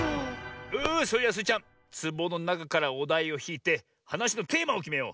それじゃスイちゃんつぼのなかからおだいをひいてはなしのテーマをきめよう。